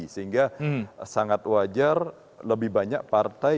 sehingga sangat wajar lebih banyak partai